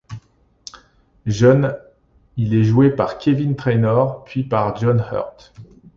Jeune, il est joué par Kevin Trainor puis par John Hurt.